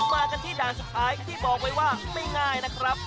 มากันที่ด่านสุดท้ายที่บอกไว้ว่าไม่ง่ายนะครับ